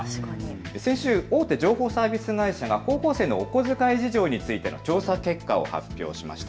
先週、大手情報サービス会社が高校生のお小遣い事情について調査結果を発表しました。